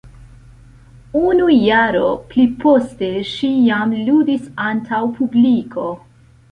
Unu jaro pliposte ŝi jam ludis antaŭ publiko.